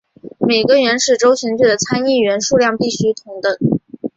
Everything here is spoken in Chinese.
每个原始州选举的参议员数量必须同等。